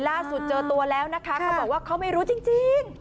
เจอตัวแล้วนะคะเขาบอกว่าเขาไม่รู้จริง